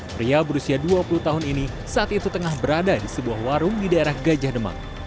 pria berusia dua puluh tahun ini saat itu tengah berada di sebuah warung di daerah gajah demak